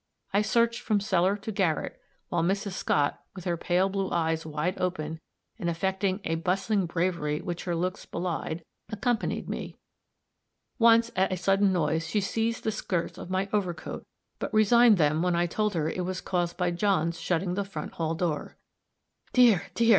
I searched from cellar to garret, while Mrs. Scott, with her pale blue eyes wide open, and affecting a bustling bravery which her looks belied, accompanied me. Once, at a sudden noise, she seized the skirts of my overcoat, but resigned them when I told her it was caused by John's shutting the front hall door. "Dear! dear!